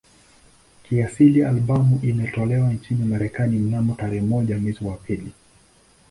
Kiasili albamu ilitolewa nchini Marekani mnamo tarehe moja mwezi wa pili